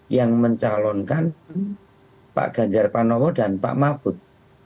yang mencalonkan pak ganjar panowo dan pak mahbud